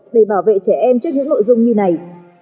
để bảo vệ trẻ em trước những nội dung như này